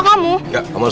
kamu tak peduli